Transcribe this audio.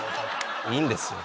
いいんですよ。